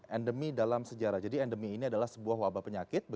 endemi dalam sejarah jadi endemi ini adalah sebuah wabah penyakit